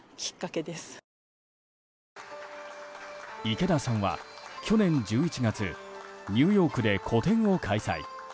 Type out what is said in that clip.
池田さんは去年１１月ニューヨークで個展を開催。